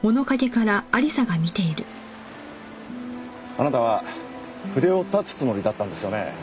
あなたは筆を断つつもりだったんですよね？